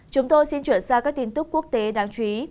chúng tôi xin chuyển sang các tin tức quốc tế đáng chú ý